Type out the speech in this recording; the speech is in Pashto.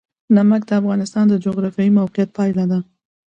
نمک د افغانستان د جغرافیایي موقیعت پایله ده.